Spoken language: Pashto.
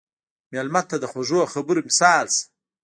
مېلمه ته د خوږو خبرو مثال شه.